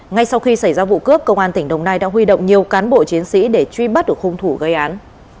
ngay sau khi xảy ra vụ cướp công an tỉnh đồng nai đã huy động nhiều cán bộ chiến sĩ để truy bắt được hung thủ gây án